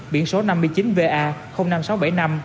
biển số năm mươi chín va năm nghìn sáu trăm bảy mươi năm